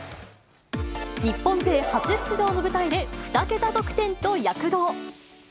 日本勢初出場の舞台で、２桁得点と躍動。